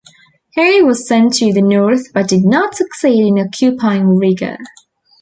He was sent to the north but did not succeed in occupying Riga.